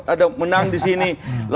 ada menang disini